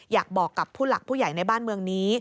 อยากบอกกับผู้หลักผู้ใหญ่ในบ้านเมืองนี้